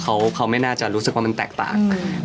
เขาไม่น่าจะรู้สึกว่ามันแตกต่าง